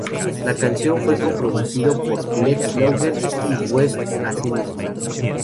La canción fue co-producido por Lex Luger y West a sí mismo.